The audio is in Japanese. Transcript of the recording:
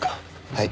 はい。